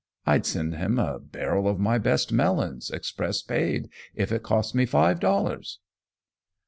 I'd send him a barrel of my best melons, express paid, if it cost me five dollars!"